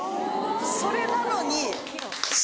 それなのに社内。